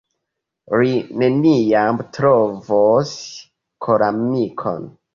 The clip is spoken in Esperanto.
"Ri neniam trovos koramikon."